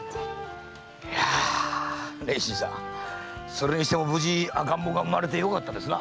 それにしても無事赤ん坊が産まれてよかったですな。